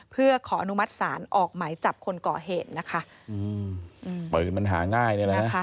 เพื่อขออนุมัติศาลออกไหมจับคนก่อเหตุนะคะอืมมันหาง่ายนี่แหละนะคะ